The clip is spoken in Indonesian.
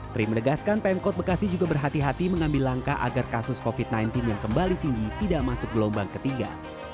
tri menegaskan pemkot bekasi juga berhati hati mengambil langkah agar kasus covid sembilan belas yang kembali tinggi tidak masuk gelombang ketiga